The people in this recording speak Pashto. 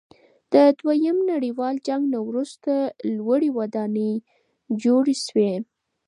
د دویم نړیوال جنګ وروسته لوړې ودانۍ جوړې شوې.